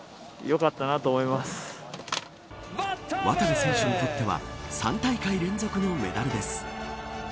渡部選手にとっては３大会連続のメダルです。